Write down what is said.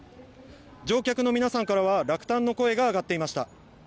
乗客の皆さんからは落胆の声が上がっていました。